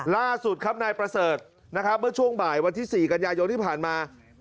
ล่าสุดครับนายประเสริฐนะครับเมื่อช่วงบ่ายวันที่๔กันยายนที่ผ่านมา